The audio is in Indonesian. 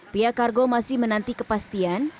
pihak kargo masih menanti kepastian